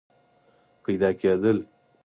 پیدا کېدل